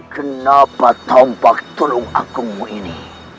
kenapa tampak tulung agungmu ini